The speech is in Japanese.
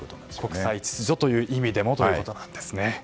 国際秩序という意味でもということなんですね。